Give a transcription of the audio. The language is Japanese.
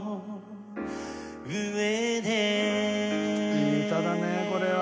いい歌だねこれは。